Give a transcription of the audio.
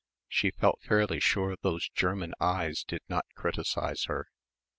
She felt fairly sure those German eyes did not criticise her.